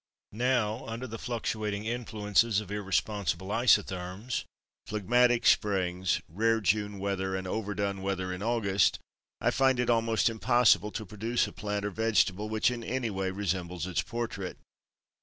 Now, under the fluctuating influences of irresponsible isotherms, phlegmatic Springs, rare June weather and overdone weather in August, I find it almost impossible to produce a plant or vegetable which in any way resembles its portrait.